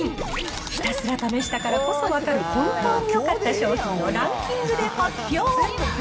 ひたすら試したからこそ分かる本当によかった商品をランキングで発表。